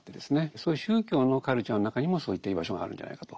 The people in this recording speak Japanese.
そういう宗教のカルチャーの中にもそういった居場所があるんじゃないかと。